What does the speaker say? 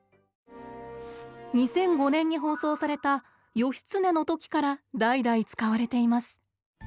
２００５年に放送された「義経」の時から代々使われています。